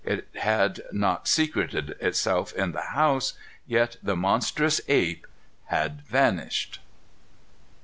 It had not secreted itself in the house; yet the monstrous ape had vanished!